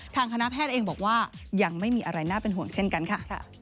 ทางคณะแพทย์เองบอกว่ายังไม่มีอะไรน่าเป็นห่วงเช่นกันค่ะ